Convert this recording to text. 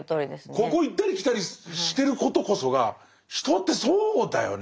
ここを行ったり来たりしてることこそが「人ってそうだよね」